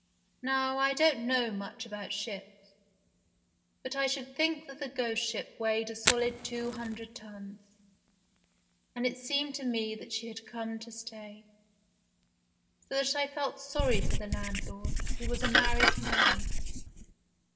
Now I don't know much about ships, but I should think that that ghost ship weighed a solid two hundred tons, and it seemed to me that she had come to stay, so that I felt sorry for landlord, who was a married man.